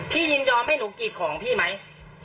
ยินยอมให้หนูกรีดของพี่ไหม